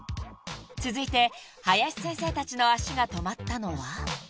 ［続いて林先生たちの足が止まったのは］